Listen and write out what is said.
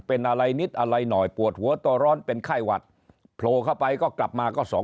เป็นอะไรนิดอะไรหน่อยปวดหัวตัวร้อนเป็นไข้หวัดโผล่เข้าไปก็กลับมาก็สอง